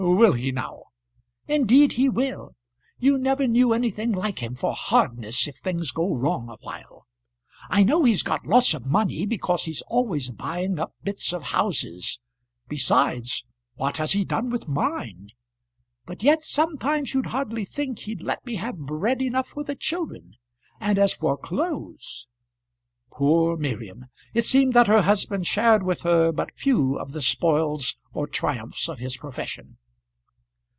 "Will he, now?" "Indeed he will. You never knew anything like him for hardness if things go wrong awhile. I know he's got lots of money, because he's always buying up bits of houses; besides, what has he done with mine? but yet sometimes you'd hardly think he'd let me have bread enough for the children and as for clothes !" Poor Miriam! It seemed that her husband shared with her but few of the spoils or triumphs of his profession.